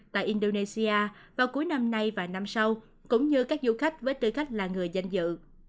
tại indonesia vào cuối năm nay và năm sau cũng như các du khách với tư cách là người danh dự